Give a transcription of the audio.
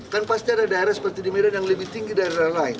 kan pasti ada daerah seperti di medan yang lebih tinggi daerah lain